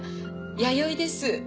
弥生です。